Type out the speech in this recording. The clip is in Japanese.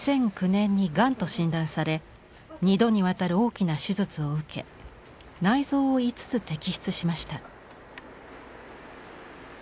２００９年にがんと診断され２度にわたる大きな手術を受け内臓を５つ摘出しました。